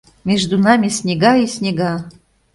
Между нами снега и снега.